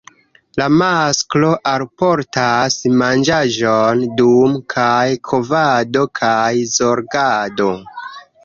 La masklo alportas manĝaĵon dum kaj kovado kaj zorgado.